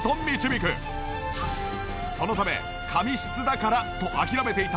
そのため髪質だからと諦めていた